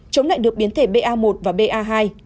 chống lại được biến thể ba một và ba hai